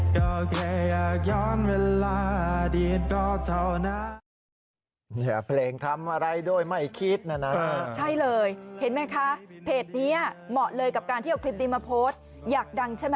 ก็แค่อยากย้อนเวลาอดีตก็เท่านั้น